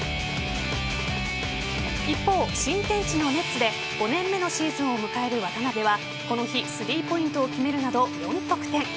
一方、新天地のネッツで５年目のシーズンを迎える渡邊はこの日スリーポイントを決めるなど４得点。